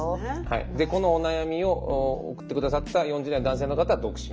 はいこのお悩みを送って下さった４０代の男性の方は独身。